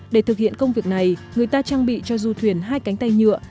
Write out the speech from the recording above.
để thực hiện công việc này người ta trang bị cho du thuyền hai cánh tay nhựa